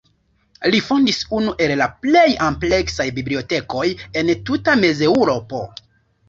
Li fondis unu el la plej ampleksaj bibliotekoj en tuta Mezeŭropo.